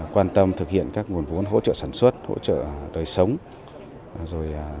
quan tâm thực hiện các nguồn vốn hỗ trợ sản xuất hỗ trợ đời sống